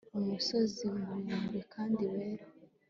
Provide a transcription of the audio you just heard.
umusozi muremure kandi wera